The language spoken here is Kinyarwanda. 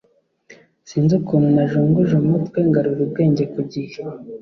sinzi ukuntu najunguje umutwe ngarura ubwenge kugihe